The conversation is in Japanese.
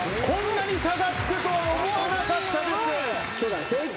こんなに差がつくとは思わなかったです。